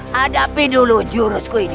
hadapi dulu jurusku ini